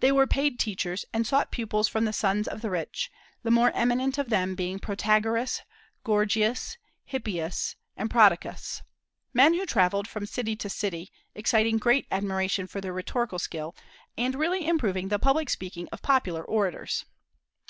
They were paid teachers, and sought pupils from the sons of the rich, the more eminent of them being Protagoras, Gorgias, Hippias, and Prodicus; men who travelled from city to city, exciting great admiration for their rhetorical skill, and really improving the public speaking of popular orators.